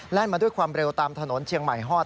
มาด้วยความเร็วตามถนนเชียงใหม่ฮอด